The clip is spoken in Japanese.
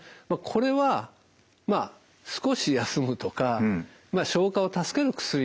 これはまあ少し休むとか消化を助ける薬